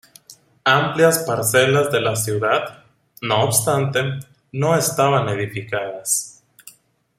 Amplias parcelas de la ciudad, no obstante, no estaban edificadas.